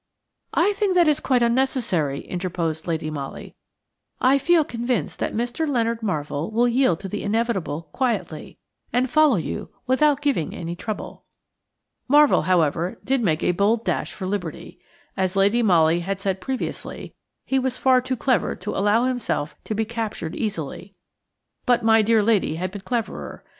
"I think that is quite unnecessary," interposed Lady Molly. "I feel convinced that Mr. Leonard Marvell will yield to the inevitable quietly, and follow you without giving any trouble." Marvell, however, did make a bold dash for liberty. As Lady Molly had said previously, he was far too clever to allow himself to be captured easily. But my dear lady had been cleverer.